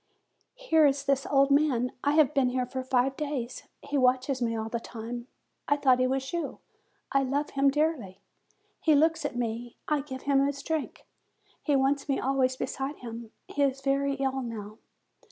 Here is this old man. I have been here for five days. He watches me all the time. I thought he was you. I love him dearly. He looks at me; I give him his drink; he wants me always beside him; he is very ill now.